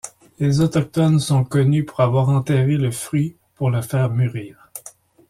Les autochtones sont connus pour avoir enterré le fruit pour le fair mûrir.